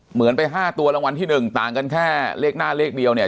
เหมือนไป๕ตัวรางวัลที่๑ต่างกันแค่เลขหน้าเลขเดียวเนี่ย